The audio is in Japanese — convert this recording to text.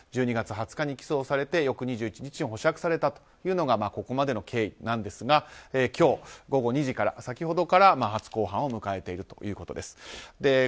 １２月２０日に起訴されて翌２１日に保釈されたというのがここまでの経緯ですが今日、午後２時から先ほどから初公判を迎えているということです。